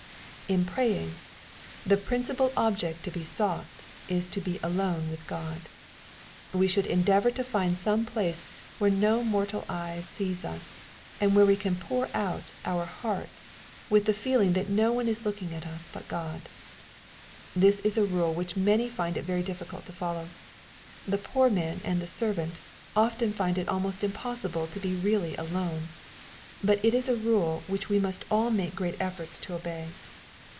'' In praying, tJ^ principal 6l)ject to he aaughty is to be alone with God, We should endeavor to find some place where no mortal eye sees us, and where we can pour out our hearts with the feeling that no one is look ing at us but God. — This is a rule which many find it very difficult to follow. The poor man and the servant often find it almost impossible to be really alone. But it is a rule which we must all make great efforts to obey.